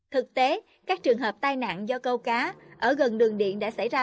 thực tế các trường hợp tai nạn do câu cá ở gần đường điện đã xảy ra